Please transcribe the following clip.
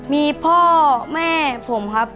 มีพ่อแม่ผมครับ